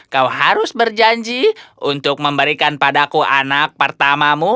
kau harus berjanji untuk memberikan padaku anak pertamamu